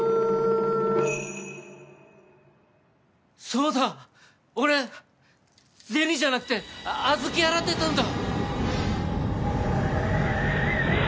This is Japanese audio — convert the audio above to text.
そうだ俺銭じゃなくて小豆洗ってたんだ！